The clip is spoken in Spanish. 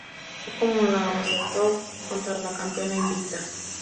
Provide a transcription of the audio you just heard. Entró como la underdog contra la campeona invicta.